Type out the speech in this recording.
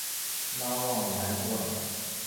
拉旺莱多尔。